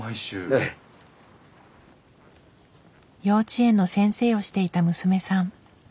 幼稚園の先生をしていた娘さん。